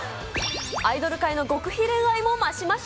アイドル界の極秘恋愛もマシマシ。